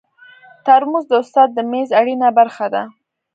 ترموز د استاد د میز اړینه برخه ده.